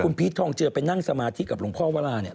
คุณพีชทองเจือไปนั่งสมาธิกับหลวงพ่อวราเนี่ย